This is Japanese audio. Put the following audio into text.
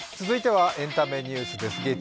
続いてはエンタメニュースです。